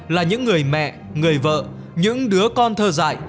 là những người mẹ người vợ những đứa con thơ dạy